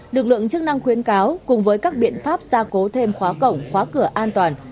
lực lượng chức năng khuyến cáo cùng với các biện pháp gia cố thêm khóa cổng khóa cửa an toàn